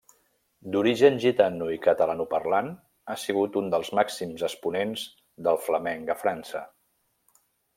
D'origen gitano i catalanoparlant, ha sigut un dels màxims exponents del flamenc a França.